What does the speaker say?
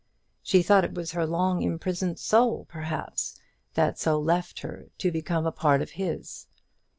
She thought it was her long imprisoned soul, perhaps, that so left her to become a part of his.